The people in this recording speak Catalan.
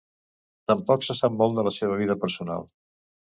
Tampoc se sap molt de la seva vida personal.